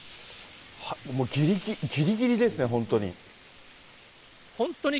もうぎりぎり、ぎりぎりですね、本当に。